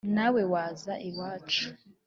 nawe waza iwacu